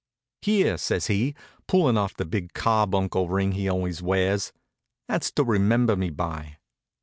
"Here," says he, pulling off the big carbuncle ring he always wears, "that's to remember me by."